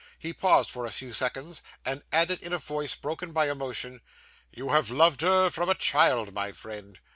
He paused for a few seconds, and added in a voice broken by emotion, 'You have loved her from a child, my friend.